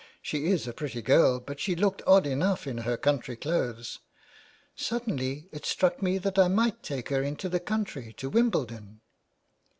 She is a pretty girl, but she looked odd enough in her country clothes. Suddenly it struck me that I might take her into the country, to Wimbledon."